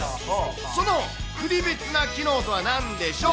そのクリビツな機能とはなんでしょう。